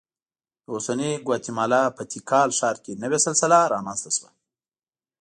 د اوسنۍ ګواتیمالا په تیکال ښار کې نوې سلسله رامنځته شوه